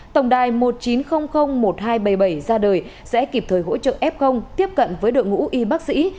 tổng đài một chín không không một hai bảy bảy ra đời sẽ kịp thời hỗ trợ f tiếp cận với đội ngũ y bác sĩ